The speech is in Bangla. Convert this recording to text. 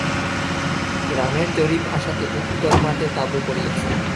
গ্রামের জরিপ আসাতে উত্তর মাঠে তাঁবু পড়িয়াছে।